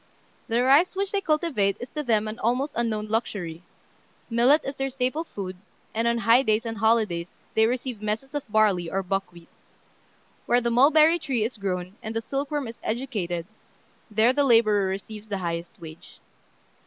The rice which they cultivate is to them an almost unknown luxury: millet is their staple food, and on high days and holidays they receive messes of barley or buckwheat. Where the mulberry tree is grown, and the silkworm is "educated," there the labourer receives the highest wage.